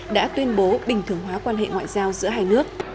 đã tuyên bố bình thường hóa quan hệ ngoại giao giữa hai nước